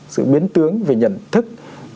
sự biến tướng về nhận thức